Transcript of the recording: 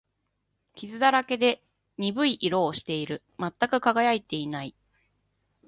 傷だらけで、鈍い色をしている。全く輝いていない。